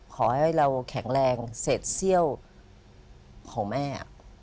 ขอให้เราแข็งแรงเศษเซี่ยวของแม่